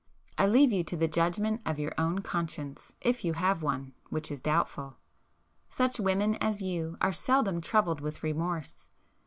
I leave you to the judgment of your own conscience,—if you have one,—which is doubtful. Such women as you, are seldom troubled with remorse.